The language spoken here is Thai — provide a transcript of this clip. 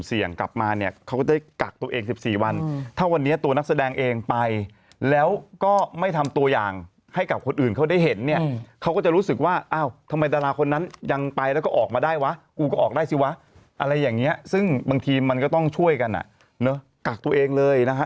เสี่ยงกลับมาเนี้ยเขาก็ได้กักตัวเองสิบสี่วันถ้าวัน